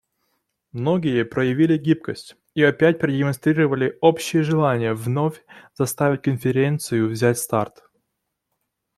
Многие проявили гибкость и опять продемонстрировали общее желание вновь заставить Конференцию взять старт.